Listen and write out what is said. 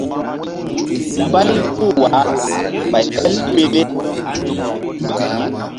Mbay puh wah ɓay el pele.